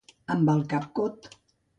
Amb el cap cot.